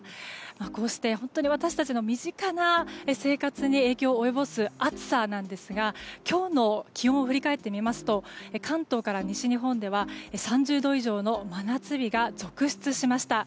こうして本当に私たちの身近な生活に影響を及ぼす暑さですが今日の気温を振り返ってみますと関東から西日本では３０度以上の真夏日が続出しました。